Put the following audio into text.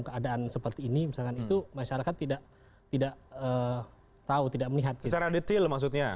keadaan seperti ini misalkan itu masyarakat tidak tahu tidak melihat secara detail maksudnya